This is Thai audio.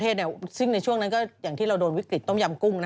ซึ่งในช่วงนั้นก็อย่างที่เราโดนวิกฤตต้มยำกุ้ง